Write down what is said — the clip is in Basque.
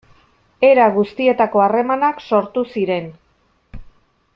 Era guztietako harremanak sortu ziren.